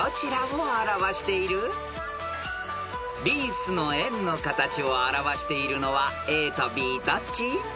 ［リースの円の形を表しているのはＡとＢどっち？］